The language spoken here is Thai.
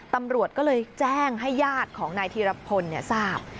ตำรวจก็เลยแจ้งให้ญาติของนายธีรพลทราบ